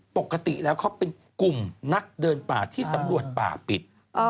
ปกติแล้วเขาเป็นกลุ่มนักเดินป่าที่สำรวจป่าปิด